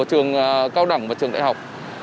trường cao đẳng và trường đại học